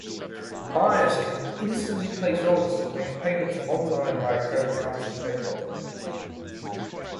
Buyers can instantly place orders and make payments online via credit cards or PayPal.